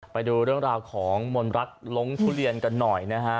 ไปดูเรื่องราวของมนรักล้งทุเรียนกันหน่อยนะฮะ